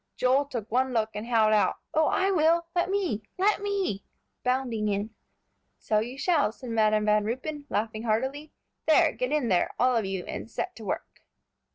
Joel took one look, and howled out, "Oh, I will; let me; let me!" bounding in. "So you shall," said Madam Van Ruypen, laughing heartily. "There, get in there, all of you, and set to work."